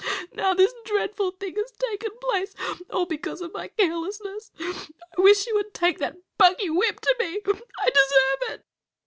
Now this dreadful thing has taken place, all because of my carelessness. I wish you would take that buggy whip to me; I deserve it."